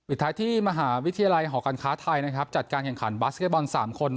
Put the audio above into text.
ท้ายที่มหาวิทยาลัยหอการค้าไทยนะครับจัดการแข่งขันบาสเก็ตบอล๓คน